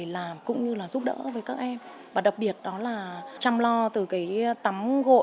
làm cũng như là giúp đỡ với các em và đặc biệt đó là chăm lo từ cái tấm gội